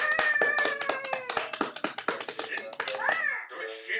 どっしん！